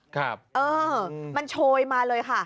ครับเออมันโชยมาเลยค่ะ